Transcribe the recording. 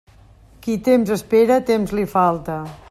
Qui temps espera, temps li falta.